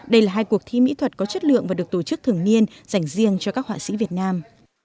đây là hai cuộc thi mỹ thuật có chất lượng và được tổ chức thường niên dành riêng cho các họa sĩ việt nam